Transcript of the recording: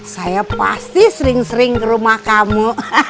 saya pasti sering sering ke rumah kamu